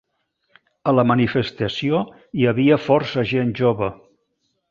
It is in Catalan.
A la manifestació hi havia força gent jove.